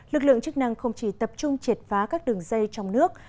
lực lượng chức năng không chỉ tập trung triệt phá các đường dây trong nước